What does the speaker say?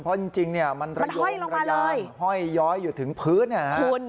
เพราะจริงมันระยกระยามมันห้อยย้อยอยู่ถึงพื้น